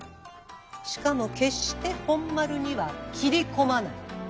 しかも決して本丸にはきり込まない。